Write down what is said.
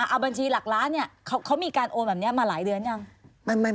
เอาบัญชีหลักล้านเนี่ยเขามีการโอนแบบนี้มาหลายเดือนยัง